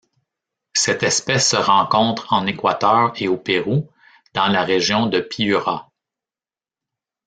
Cette espèce se rencontre en Équateur et au Pérou dans la région de Piura.